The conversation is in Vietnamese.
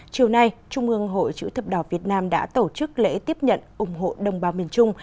chiều nay trung ương hội chữ thập đỏ việt nam đã tổ chức lễ tiếp nhận ủng hộ đồng bào miền trung